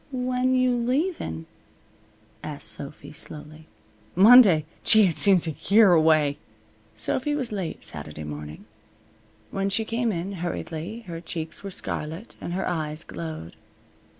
"When you leavin'?" asked Sophy, slowly. "Monday. Gee! it seems a year away." Sophy was late Saturday morning. When she came in, hurriedly, her cheeks were scarlet and her eyes glowed.